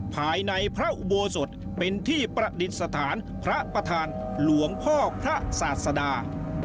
ภายในพระอุโบสถเป็นที่ประดิษฐานพระประธานหลวงพ่อพระศาสดา